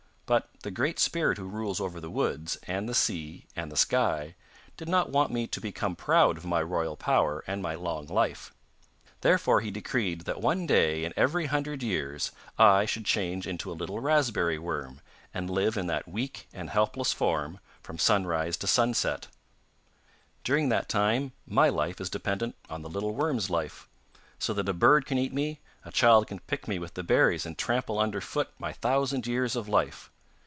But the great spirit who rules over the woods, and the sea, and the sky, did not want me to become proud of my royal power and my long life. Therefore he decreed that one day in every hundred years I should change into a little raspberry worm, and live in that weak and helpless form from sunrise to sunset. During that time my life is dependent on the little worm's life, so that a bird can eat me, a child can pick me with the berries and trample under foot my thousand years of life.